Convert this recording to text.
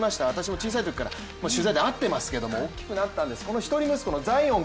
私も小さいときから取材で会っていますけれども大きくなったんです。